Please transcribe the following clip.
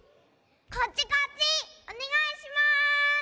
こっちこっち！おねがいします！